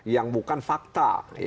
yang bukan fakta